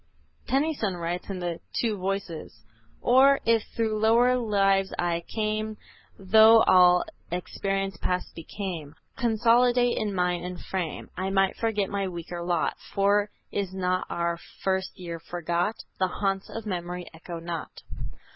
Tennyson writes in the "Two Voices;" "Or, if through lower lives I came Tho' all experience past became, Consolidate in mind and frame I might forget my weaker lot; For is not our first year forgot? The haunts of memory echo not."